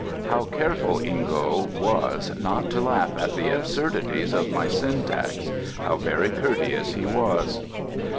How careful Ingo was not to laugh at the absurdities of my syntax! How very courteous he was!